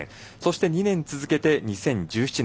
そして、２年続けて２０１７年。